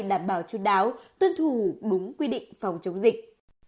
đảm bảo chú đáo tuân thủ đúng quy định phòng chống dịch